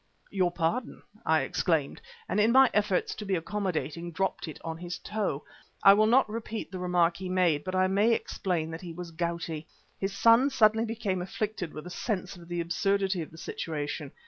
"Your pardon," I exclaimed, and in my efforts to be accommodating, dropped it on his toe. I will not repeat the remark he made, but I may explain that he was gouty. His son suddenly became afflicted with a sense of the absurdity of the situation.